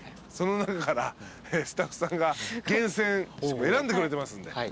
その中からスタッフさんが厳選選んでくれてますんで。